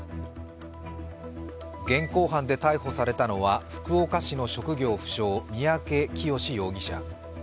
現行犯で逮捕されたのは福岡市の職業不詳、三宅潔容疑者。